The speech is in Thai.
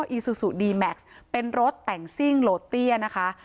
อีซูซูดีแม็กซ์เป็นรถแต่งซิ่งโลเตี้ยนะคะ